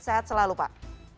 sehat selalu pak